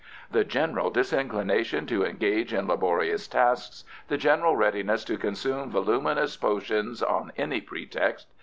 The general disinclination to engage in laborious tasks; The general readiness to consume voluminous potions on any pretext.